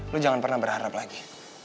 lu jangan pernah berharap lagi